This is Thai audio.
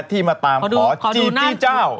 ที่มาตามขอซีจิวเจ้า